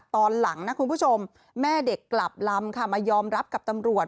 ตอนหลังนะคุณผู้ชมแม่เด็กกลับลำค่ะมายอมรับกับตำรวจ